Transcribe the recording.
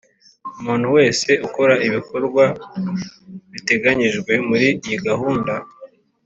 Umuntu wese ukora ibikorwa biteganyijwe muri iyi gahunda